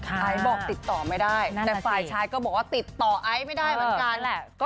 ไอซ์บอกติดต่อไม่ได้แต่ฝ่ายชายก็บอกว่าติดต่อไอซ์ไม่ได้เหมือนกัน